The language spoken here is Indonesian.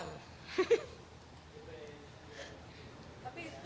mereka sebenarnya berbahaya apa gak sih